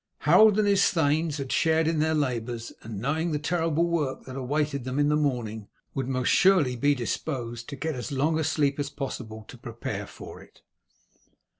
Harold and his thanes had shared in their labours, and knowing the terrible work that awaited them in the morning, would most surely be disposed to get as long a sleep as possible to prepare for it.